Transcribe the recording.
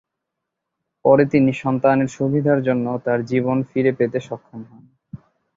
পরে তিনি সন্তানের সুবিধার জন্য তার জীবন ফিরে পেতে সক্ষম হন।